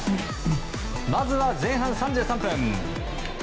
まずは前半３３分。